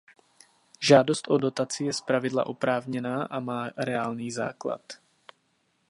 Žádost o dotaci je zpravidla oprávněná a má reálný základ.